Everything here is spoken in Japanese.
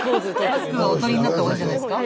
マスクはお取りになった方がいいんじゃないですか？